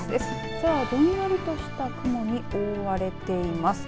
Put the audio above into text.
きょうはどんよりとした雲に覆われています。